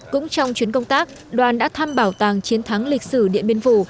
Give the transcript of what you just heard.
cũng trong chuyến công tác đoàn đã tham bảo tàng chiến thắng lịch sử điện biên vũ